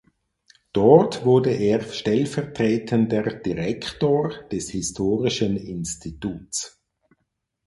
Dort wurde er stellvertretender Direktor des Historischen Instituts.